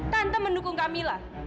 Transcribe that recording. tante mendukung kamila